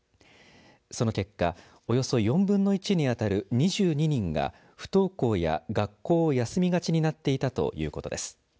その結果およそ４分の１に当たる２２人が不登校や学校を休みがちになっていたということです。